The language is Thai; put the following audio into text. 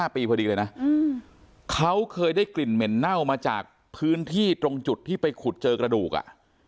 ปีพอดีเลยนะเขาเคยได้กลิ่นเหม็นเน่ามาจากพื้นที่ตรงจุดที่ไปขุดเจอกระดูกอ่ะ